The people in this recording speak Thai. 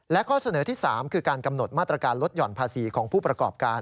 และข้อเสนอที่๓คือการกำหนดมาตรการลดหย่อนภาษีของผู้ประกอบการ